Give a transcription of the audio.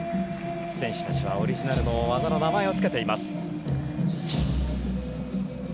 選手たちはオリジナルの技の名前を付けています。